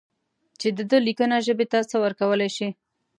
چې د ده لیکنه ژبې ته څه ورکولای شي.